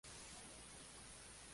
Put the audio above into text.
Es graduado en Filología.